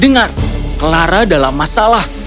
dengar clara dalam masalah